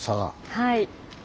はい。